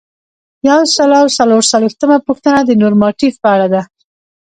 یو سل او څلور څلویښتمه پوښتنه د نورماتیف په اړه ده.